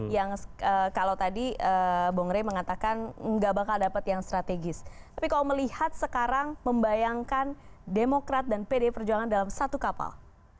yang kalau tadi bung rey mengatakan nggak bakal dapat yang strategis tapi kalau melihat sekarang membayangkan demokrat dan pd perjuangan dalam satu kapal